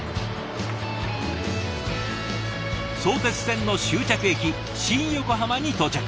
相鉄線の終着駅新横浜に到着。